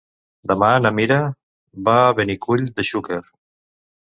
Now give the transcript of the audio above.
Demà na Mira va a Benicull de Xúquer.